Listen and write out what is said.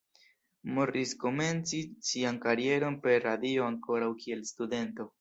Morris komencis sian karieron per radio ankoraŭ kiel studento.